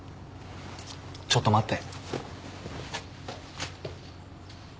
ちょっと待って。